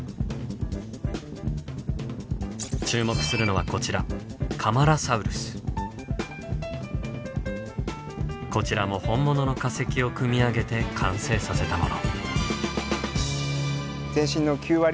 注目するのはこちらこちらも本物の化石を組み上げて完成させたもの。